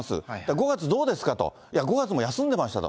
５月どうですかと、いや、５月も休んでましたと。